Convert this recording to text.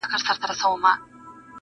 نه پاچا نه حکمران سلطان به نسې،